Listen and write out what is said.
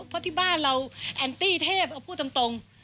เพราะที่บ้านเราแอนตี้เทพก็พูดตรง